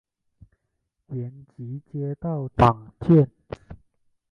延吉街道党建